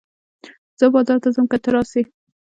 زه بازار ته ځم که ته راسې